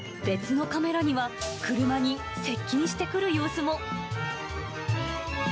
別のカメラには車に接近してくる様子も。